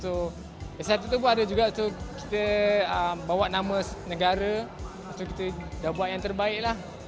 teruja itu juga ada juga kita bawa nama negara kita buat yang terbaik